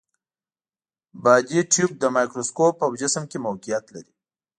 بادي ټیوب د مایکروسکوپ په جسم کې موقعیت لري.